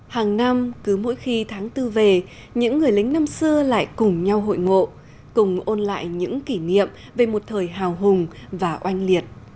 hàng năm cứ mỗi khi tháng tư về những người lính năm xưa lại cùng nhau hội ngộ cùng ôn lại những kỷ niệm về một thời hào hùng và oanh liệt